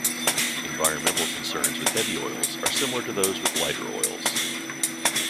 Environmental concerns with heavy oils are similar to those with lighter oils.